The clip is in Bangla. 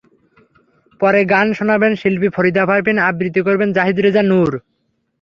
পরে গান শোনাবেন শিল্পী ফরিদা পারভীন, আবৃত্তি করবেন জাহীদ রেজা নূর।